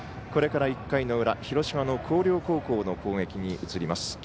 これから１回の裏広島の広陵高校の攻撃に移ります。